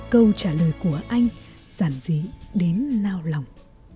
câu trả lời của anh giản dí đến nao lòng